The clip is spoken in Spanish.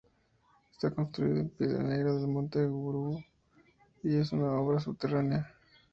Está construido en piedra negra del Monte Gurugú, y es una obra subterránea.